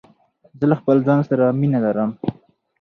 زه له خپل ځان سره مینه لرم.